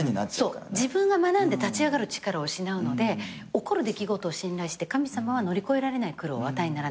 自分が学んで立ち上がる力を失うので起こる出来事を信頼して神様は乗り越えられない苦労は与えにならない。